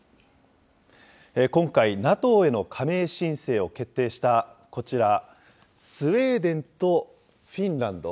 今回、ＮＡＴＯへの加盟申請を決定したこちら、スウェーデンとフィンランド。